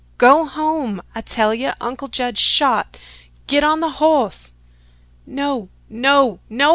"Go home, I tell ye Uncle Judd's shot. Git on the hoss!" "No, no, NO!